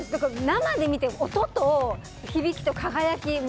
生で見て、音と響きと輝き。